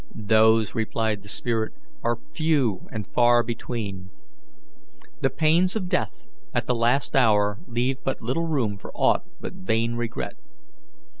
"Those," replied the spirit, "are few and far between. The pains of death at the last hour leave but little room for aught but vain regret.